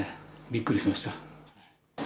びっくりしました。